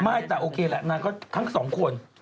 ไม่แต่โอเคแหละทั้งสองคน